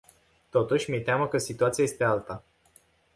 Totuși, mi-e teamă că situația este alta.